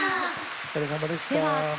お疲れさまでした。